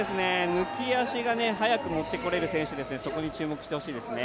抜き足が速く持ってこれる選手ですので、そこに注目してほしいですね。